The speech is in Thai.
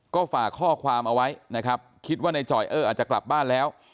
ก็ฝากข้อความเอาไว้คิดว่าในจ่อยอาจจะกลับบ้านแล้ว